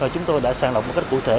chúng tôi đã sàng lọc một cách cụ thể